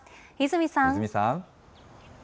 泉さん。